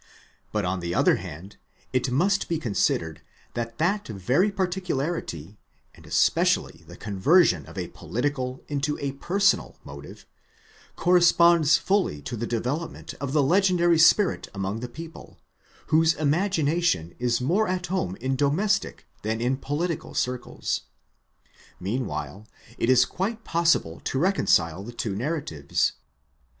But on the other hand, it must be considered that that very particularity, and especially the conversion of a political into a personal motive, corresponds fully to the development of the legendary spirit among the people, whose imagination is more at home in domestic than in political circles.4 Mean while it is quite possible to reconcile the two narratives.